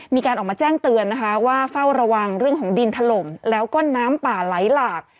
มีการออกมาแจ้งเตือนนะคะว่าเฝ้าระวังเรื่องของดินถล่มแล้วก็น้ำป่าไหลหลาก